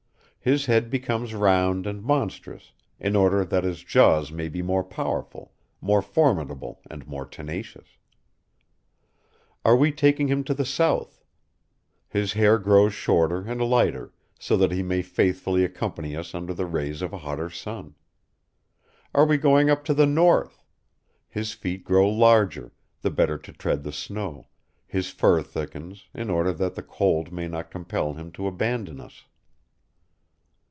His head becomes round and monstrous, in order that his jaws may be more powerful, more formidable and more tenacious. Are we taking him to the south? His hair grows shorter and lighter, so that he may faithfully accompany us under the rays of a hotter sun. Are we going up to the north? His feet grow larger, the better to tread the snow; his fur thickens, in order that the cold may not compel him to abandon us.